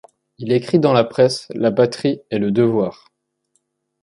Il écrit dans La Presse, La Patrie et Le Devoir.